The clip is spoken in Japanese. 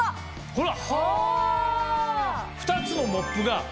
ほら。